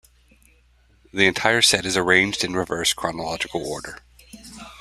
The entire set is arranged in reverse chronological order.